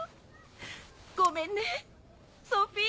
ごめんねソフィー。